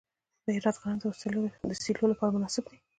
د هرات غنم د سیلو لپاره مناسب دي.